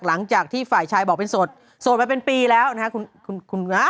หลังจากที่ฝ่ายชายบอกเป็นสดสดไปเป็นปีแล้วนะคะ